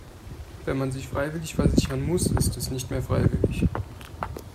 Wenn man sich freiwillig versichern muss, ist es nicht mehr freiwillig.